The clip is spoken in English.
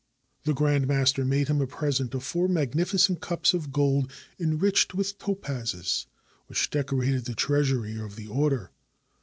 The grand master made him a present of four magnificent cups of gold enriched with topazes, which decorated the treasury of the order.